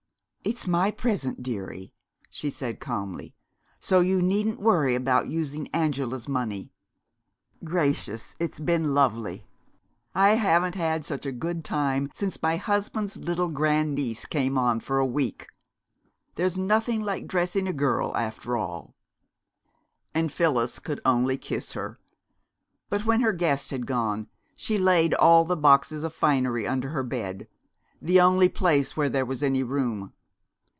"It's my present, dearie," she said calmly. "So you needn't worry about using Angela's money. Gracious, it's been lovely! I haven't had such a good time since my husband's little grand niece came on for a week. There's nothing like dressing a girl, after all." And Phyllis could only kiss her. But when her guest had gone she laid all the boxes of finery under her bed, the only place where there was any room.